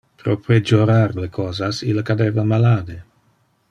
Pro pejorar le cosas, ille cadeva malade.